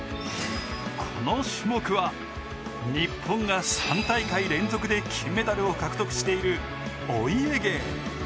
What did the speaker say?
この種目は、日本が３大会連続で金メダルを獲得しているお家芸。